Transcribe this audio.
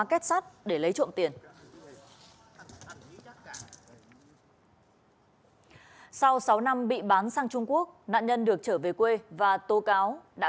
kết sắt để lấy trộm tiền sau sáu năm bị bán sang trung quốc nạn nhân được trở về quê và tố cáo đã